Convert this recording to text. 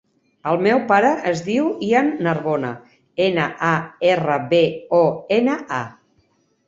El meu pare es diu Ian Narbona: ena, a, erra, be, o, ena, a.